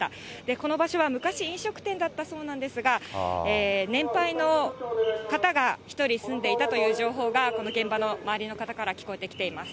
この場所は昔、飲食店だったそうなんですが、年配の方が１人住んでいたという情報が、この現場の周りの方から聞こえてきています。